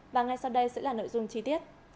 và ngay sau đây sẽ là nội dung chi tiết